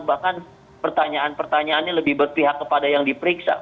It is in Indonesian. bahkan pertanyaan pertanyaannya lebih berpihak kepada yang diperiksa